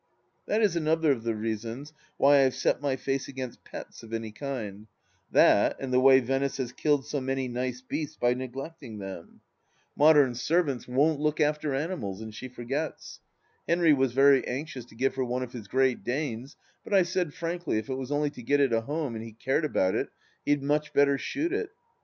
... That is another of the reasons why I have set my face against pets of any kind— that and the way Venice has killed BO many nice beasts, by neglecting them. Modem servants 240 THE LAST DITCH won't look after animals, and she forgets. Henry was very anxious to give her one of his Great Danes, but I said frankly, if it was only to get it a home and he cared about it, he had much better shoot it.